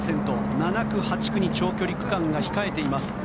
７区、８区に長距離区間が控えています。